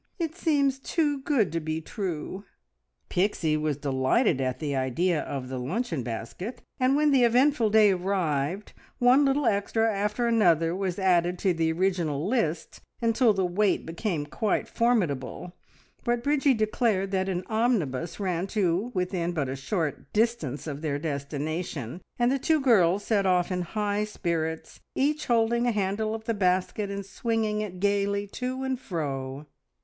It seems too good to be true." Pixie was delighted at the idea of the luncheon basket, and when the eventful day arrived one little extra after another was added to the original list, until the weight became quite formidable, but Bridgie declared that an omnibus ran to within but a short distance of their destination, and the two girls set off in high spirits, each holding a handle of the basket, and swinging it gaily to and fro.